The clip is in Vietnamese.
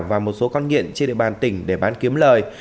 và một số con nghiện trên địa bàn tỉnh để bán kiếm lời